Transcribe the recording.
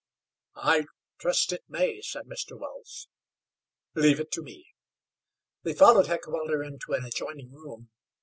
"I trust it may," said Mr. Wells. "Leave it to me." They followed Heckewelder into an adjoining room.